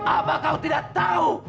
apa kau tidak tahu